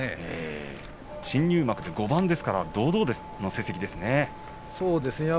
新入幕で５番ですから堂々とした成績です。